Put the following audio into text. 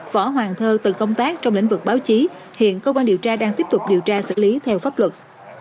võ hoàng thơ từng công tác trong lĩnh vực báo chí hiện cơ quan điều tra đang tiếp tục điều tra xử lý theo pháp luật